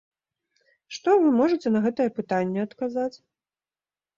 Што вы можаце на гэтае пытанне адказаць?